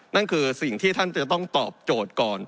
นั่นคือสิ่งที่ท่านจะต้องตอบโจทย์ก่อน